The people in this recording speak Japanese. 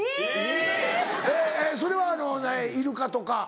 えっそれはイルカとか？